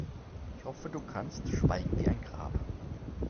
Ich hoffe, du kannst schweigen wie ein Grab.